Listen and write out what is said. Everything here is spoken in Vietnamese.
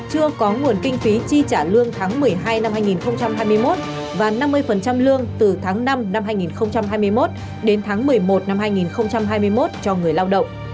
chưa có nguồn kinh phí chi trả lương tháng một mươi hai năm hai nghìn hai mươi một và năm mươi lương từ tháng năm năm hai nghìn hai mươi một đến tháng một mươi một năm hai nghìn hai mươi một cho người lao động